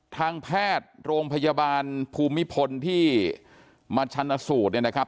ทางแพทย์โรงพยาบาลภูมิพลที่มาชันสูตรเนี่ยนะครับ